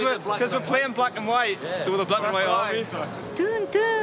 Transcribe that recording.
トゥーントゥーン！